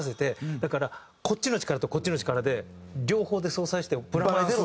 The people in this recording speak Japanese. だからこっちの力とこっちの力で両方で相殺してプラマイゼロなんですよ。